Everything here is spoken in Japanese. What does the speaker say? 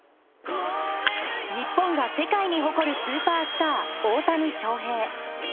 日本が世界に誇るスーパースター・大谷翔平。